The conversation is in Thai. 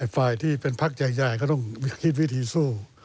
ฝ่ายที่เป็นพักใหญ่ก็ต้องคิดวิธีสู้